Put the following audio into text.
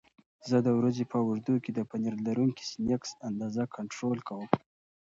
زه د ورځې په اوږدو کې د پنیر لرونکي سنکس اندازه کنټرول کوم.